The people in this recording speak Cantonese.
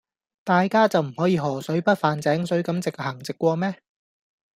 大家就唔可以河水不犯井水咁直行直過咩?